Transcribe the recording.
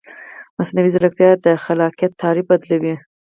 مصنوعي ځیرکتیا د خلاقیت تعریف بدلوي.